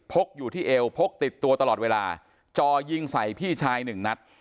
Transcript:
กอยู่ที่เอวพกติดตัวตลอดเวลาจ่อยิงใส่พี่ชายหนึ่งนัด